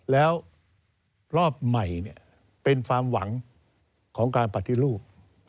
แล้วรอบใหม่เป็นความหวังของการปฏิรูป